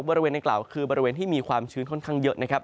บริเวณดังกล่าวคือบริเวณที่มีความชื้นค่อนข้างเยอะนะครับ